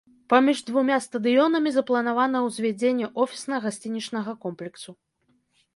Паміж двума стадыёнамі запланавана ўзвядзенне офісна-гасцінічнага комплексу.